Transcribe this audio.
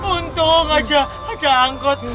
untung aja ada angkot